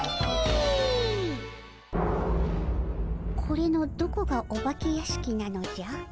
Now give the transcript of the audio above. これのどこがお化け屋敷なのじゃ？